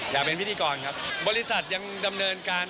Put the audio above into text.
ถ้าคุณมีความอยากทำใครก็ทำได้ครับ